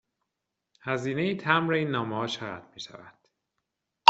هزینه مبر این نامه ها چقدر می شود؟